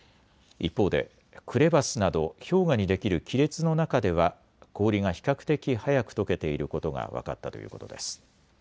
一方でクレバスなど氷河にできる亀裂の中では氷が比較的速くとけていることが分かったということです。